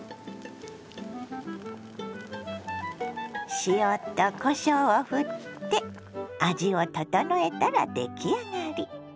塩とこしょうをふって味を調えたら出来上がり。